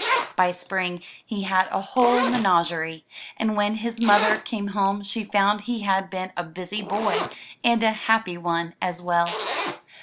By spring he had a whole menagerie, and when his mother came home she foimd he had been a busy boy, and a happy one as well.